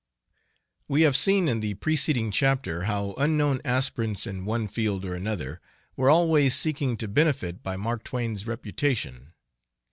We have seen in the preceding chapter how unknown aspirants in one field or another were always seeking to benefit by Mark Twain's reputation.